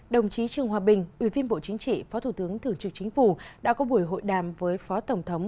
đồng chí trương hòa bình ủy viên bộ chính trị phó thủ tướng thường trực chính phủ đã có buổi hội đàm với phó tổng thống